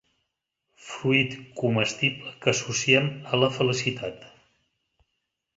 Fruit comestible que associem a la felicitat.